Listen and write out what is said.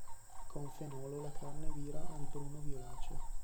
Con fenolo la carne vira al bruno-violaceo.